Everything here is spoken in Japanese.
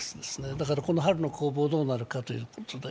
だからこの春の攻防がどうなるのかということ。